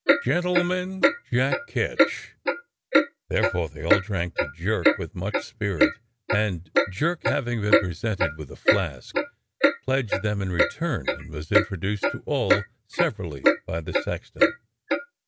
Gentlemen, Jack Ketch. '^ Therefore they all drank to Jerk with much spirit, and Jerk, having been presented with a flask, pledged them in return and was introduced to all severally by the sexton.